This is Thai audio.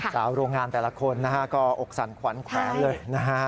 สาวโรงงานแต่ละคนนะฮะก็อกสันควั้นแค้นเลยนะฮะ